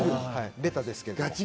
ベタですけど。